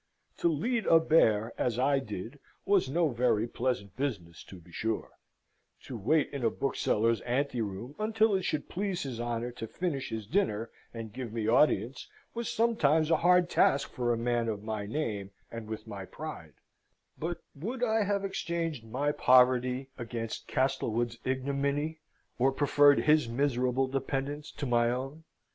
To lead a bear, as I did, was no very pleasant business, to be sure: to wait in a bookseller's anteroom until it should please his honour to finish his dinner and give me audience, was sometimes a hard task for a man of my name and with my pride; but would I have exchanged my poverty against Castlewood's ignominy, or preferred his miserable dependence to my own?